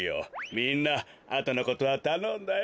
みんなあとのことはたのんだよ。